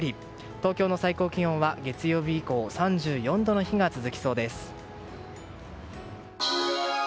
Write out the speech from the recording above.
東京の最高気温は月曜日以降３４度の日が続きそうです。